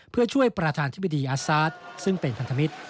เพื่อช่วยประธานธิบดีอาซาสซึ่งเป็นพันธมิตร